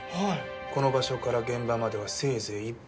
この場所から現場まではせいぜい１分。